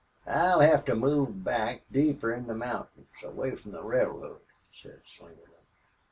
"I'll hev to move back deeper in the mountains, away from the railroad," said Slingerland.